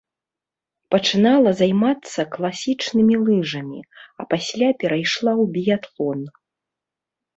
Пачынала займацца класічнымі лыжамі, а пасля перайшла ў біятлон.